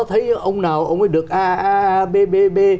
thấy ông nào ông ấy được a a a b b b